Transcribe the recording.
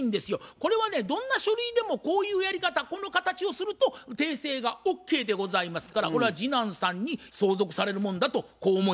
これはねどんな書類でもこういうやり方この形をすると訂正がＯＫでございますからこれは次男さんに相続されるもんだとこう思いますですね。